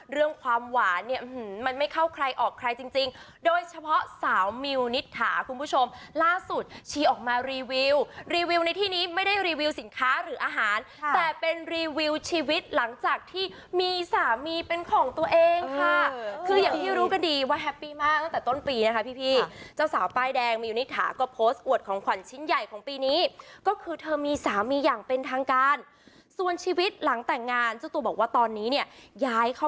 เรื่องความหวานเนี่ยมันไม่เข้าใครออกใครจริงจริงโดยเฉพาะสาวมิวนิตถาคุณผู้ชมล่าสุดชี้ออกมารีวิวรีวิวในที่นี้ไม่ได้รีวิวสินค้าหรืออาหารแต่เป็นรีวิวชีวิตหลังจากที่มีสามีเป็นของตัวเองค่ะคืออย่างที่รู้ก็ดีว่าแฮปปี้มากตั้งแต่ต้นปีนะคะพี่พี่เจ้าสาวป้ายแดงมิวนิตถาก็โพสต์อวดข